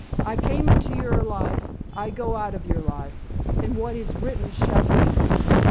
I came into your life: I go out of your life: and what is written shall be!"